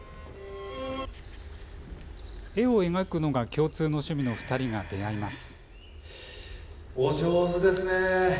絵を描くのが共通の趣味の２人が出会います。